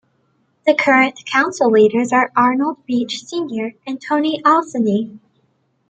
The current council leaders are Arnold Beach Senior and Tony Alsenay.